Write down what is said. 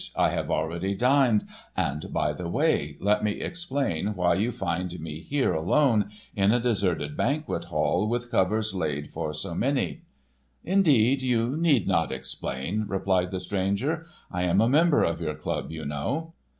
I have already dined, and by the way, let me explain why you find me here alone, in a deserted Banquet Hall with covers laid for so many." "Indeed, you need not explain," replied the stranger. "I am a member of your club, you know."